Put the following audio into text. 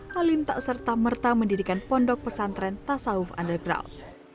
halim tak serta merta mendirikan pondok pesantren tasawuf underground